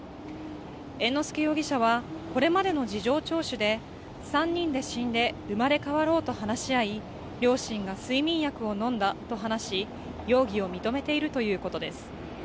猿之助容疑者は、これまでの事情聴取で、３人で死んで生まれ変わろうと話し合い、両親が睡眠薬を飲んだと話し、容疑を認めているということです。